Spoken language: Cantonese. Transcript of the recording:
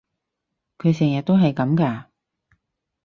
佢成日都係噉㗎？